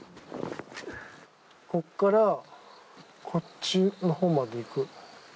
こっからこっちのほうまで行く。